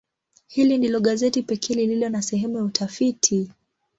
Hili ndilo gazeti pekee lililo na sehemu ya utafiti.